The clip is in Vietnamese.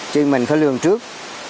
chứ mình phải lường trước